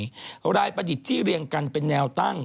รายประดิษฐ์ที่เรียงกันเป็นแนวตั้ง